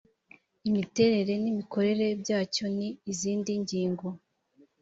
imiterere n imikorere byacyo n izindi ngingo